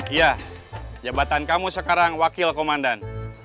iya jabatan kamu sekarang wakil komandan